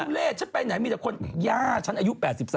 เล่ฉันไปไหนมีแต่คนย่าฉันอายุ๘๓